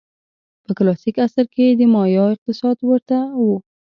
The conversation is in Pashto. په کلاسیک عصر کې د مایا اقتصاد ورته و.